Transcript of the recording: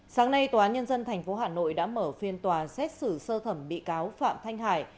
sáng nay tòa án nhân dân tp hà nội đã mở phiên tòa xét xử sơ thẩm bị cáo phạm thanh hải